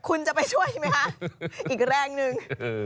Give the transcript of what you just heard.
คุณจะไปช่วยไหมคะอีกแรงหนึ่ง